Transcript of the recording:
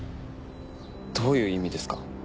どういう意味ですか？